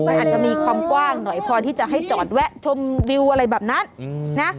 มันอาจจะมีความกว้างหน่อยพอที่จะให้จอดแวะชมวิวอะไรแบบนั้นนะ